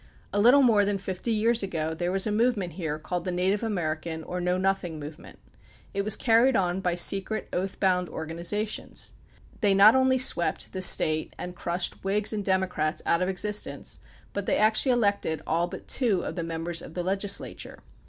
A little more THE PUBLIC OPINION BILL 27 than fifty years ago there was a movement here called the Native American or Know Nothing movement. It was carried on by secret oath bound organizations. They not only swept the State and crushed Whigs and Democrats out of existence, but they actually elected all but two of the members of the legislature.